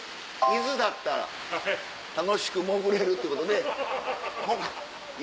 伊豆だったら楽しく潜れるってことで。